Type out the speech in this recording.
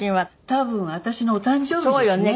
多分私のお誕生日ですね。